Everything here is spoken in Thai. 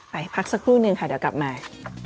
พักสักครู่นึงค่ะเดี๋ยวกลับมา